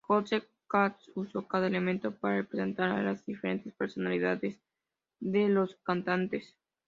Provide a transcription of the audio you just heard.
Joseph Kahn usó cada elemento para representar a las diferentes personalidades de los cantantes.